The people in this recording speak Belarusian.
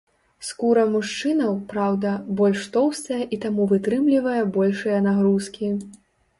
Скура мужчынаў, праўда, больш тоўстая і таму вытрымлівае большыя нагрузкі.